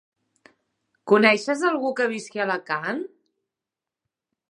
Coneixes algú que visqui a Alacant?